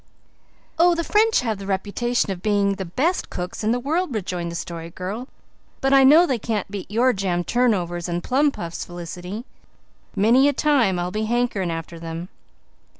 "Oh, the French have the reputation of being the best cooks in the world," rejoined the Story Girl, "but I know they can't beat your jam turnovers and plum puffs, Felicity. Many a time I'll be hankering after them."